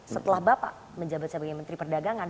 setelah bapak menjabat sebagai menteri perdagangan